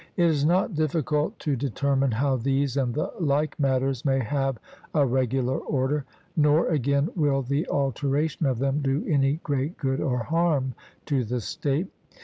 It is not difficult to determine how these and the like matters may have a regular order; nor, again, will the alteration of them do any great good or harm to the state.